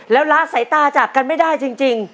แล้วละสายตาจากกันไม่ได้จริง